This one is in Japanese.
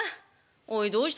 「おいどうしたの？